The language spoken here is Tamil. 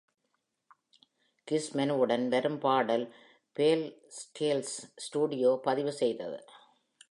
"கிஷ்" மெனுவுடன் வரும் பாடல் "பேல் ஸ்கேல்ஸ்" ஸ்டுடியோ பதிவு செய்தது.